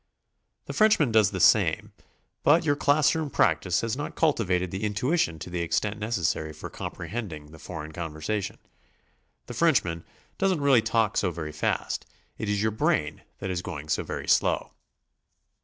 The Frenchman does the same, but your class room practice has not cultivated the intuition to the extent neces sary for comprehending the foreign conversation. The Frenchman doesn't really talk so very fast; it is your brain that is going so very slow.